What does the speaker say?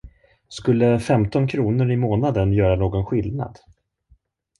Skulle femton kronor i månaden göra någon skillnad?